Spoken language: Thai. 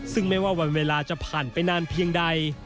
ซึ่งไม่ว่าวันเวลาจะผ่านไปนานเพียงใด